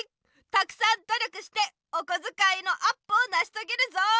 たくさんどりょくしておこづかいのアップをなしとげるぞ！